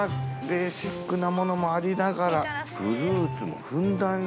ベーシックなものもありながらフルーツもふんだんに。